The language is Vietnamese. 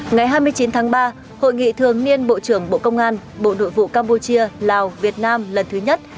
ngày hai mươi chín tháng ba hội nghị thường niên bộ trưởng bộ công an bộ nội vụ campuchia lào việt nam lần thứ nhất